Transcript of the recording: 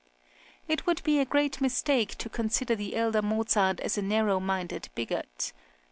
It would be a great mistake to consider the elder Mozart as a narrow minded bigot.